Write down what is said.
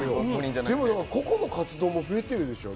個々の活動も増えてるでしょう？